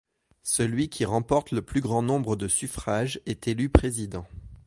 Celui qui remporte le plus grand nombre de suffrages est élu président.